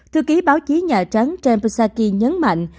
thư ký báo chí nhà trắng james psaki nhấn mạnh